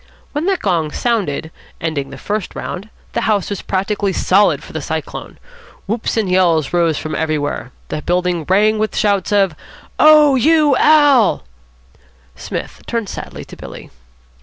When the gong sounded, ending the first round, the house was practically solid for the Cyclone. Whoops and yells rose from everywhere. The building rang with shouts of, "Oh, you Al.!" Psmith turned sadly to Billy.